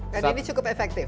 jadi ini cukup efektif